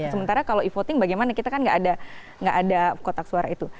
sementara kalau e voting bagaimana kita kan nggak ada kotak suara itu